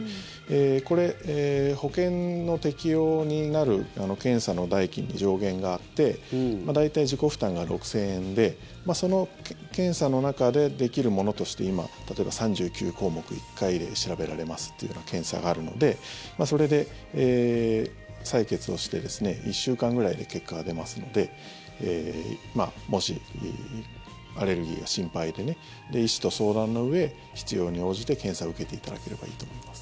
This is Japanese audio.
これ、保険の適用になる検査の代金の上限があって大体、自己負担が６０００円でその検査の中でできるものとして今、３９項目１回で調べられますっていうような検査があるのでそれで採血をして１週間くらいで結果が出ますのでもし、アレルギーが心配で医師と相談のうえ、必要に応じて検査を受けていただければいいと思います。